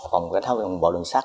phòng cảnh sát bộ đường sát